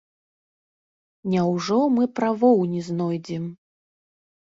Няўжо мы правоў не знойдзем?